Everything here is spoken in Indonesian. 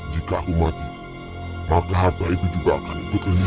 jika aku mati maka harta itu juga akan berkembang